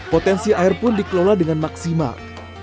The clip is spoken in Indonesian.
potensi air pun dikelola dengan maksimal